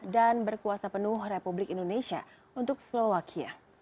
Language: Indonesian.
dan berkuasa penuh republik indonesia untuk slovakia